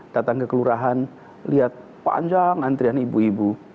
datang ke kelurahan lihat panjang antrian ibu ibu